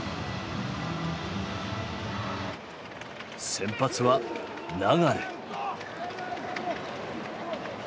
先発は流。